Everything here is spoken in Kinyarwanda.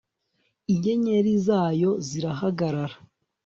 Inyenyeri zayo zirahagarara